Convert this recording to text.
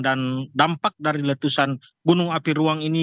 dan dampak dari letusan gunung api ruang ini